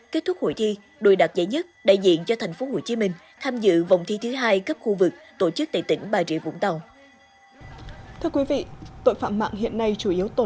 kết thúc hội thi đội đạt giải nhất đại diện cho tp hcm tham dự vòng thi thứ hai cấp khu vực tổ chức tại tỉnh bà rịa vũng tàu